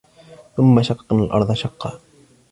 ثُمَّ شَقَقْنَا الْأَرْضَ شَقًّا